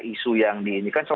isu yang diinikan